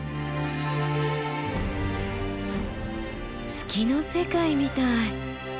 月の世界みたい。